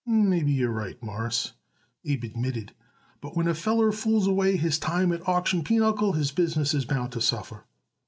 "Maybe you're right, Mawruss," Abe admitted. "But when a feller fools away his time at auction pinochle his business is bound to suffer."